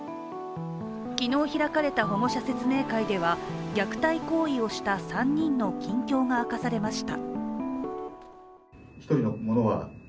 昨日開かれた保護者説明会では虐待行為をした３人の近況が明かされました。